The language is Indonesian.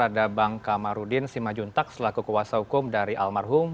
ada bang kamarudin simajuntak selaku kuasa hukum dari almarhum